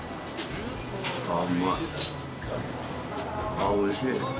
あぁおいしい。